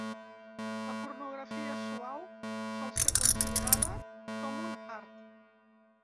La pornografia suau sol ser considerada com un art.